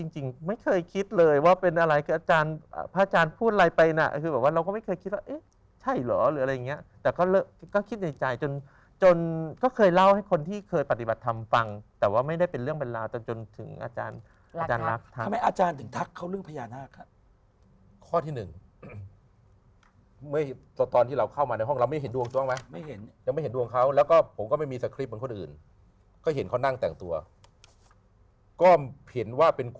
จริงไม่เคยคิดเลยว่าเป็นอะไรคืออาจารย์พ่ออาจารย์พูดอะไรไปน่ะคือว่าเราก็ไม่เคยคิดว่าเอ๊ะใช่หรอหรืออะไรอย่างเงี้ยแต่ก็เลิกก็คิดในใจจนจนก็เคยเล่าให้คนที่เคยปฏิบัติธรรมฟังแต่ว่าไม่ได้เป็นเรื่องเป็นราวจนจนถึงอาจารย์อาจารย์รักทำไมอาจารย์ถึงทักเขาเรื่องพญานาคครับข้อที่๑เมื่อตอนที่เราเข